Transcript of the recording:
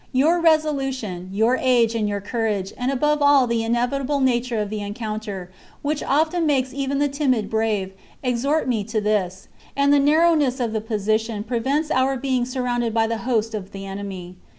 Your resolution, your age, and your courage, and above all the inevitable nature of the encounter, which often makes even the timid brave, exhort m^ to this ; and the narrowness of the position prevents our being surrounded by the host of the enemy.